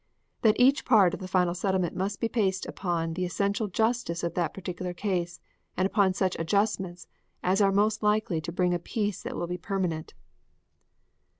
That each part of the final settlement must be based upon the essential justice of that particular case and upon such adjustments, as are most likely to bring a peace that will be permanent.